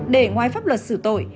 để ngoài pháp luật xử tội